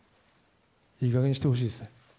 いいかげんにしてほしいですね。